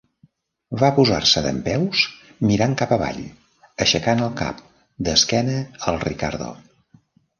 Va posar-se dempeus mirant cap avall, aixecant el cap, d'esquena al Ricardo.